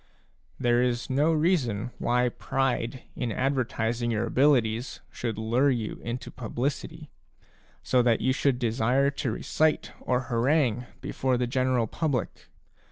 There is no reason why pride in ad vertising your abilities should lure you into publicity, so that you should desire to recite or harangue before the general public.